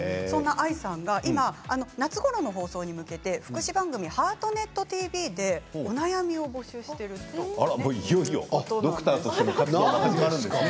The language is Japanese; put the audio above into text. そんなＡＩさんが夏の放送に向けて、福祉番組「ハートネットＴＶ」でお悩みを募集しているということで。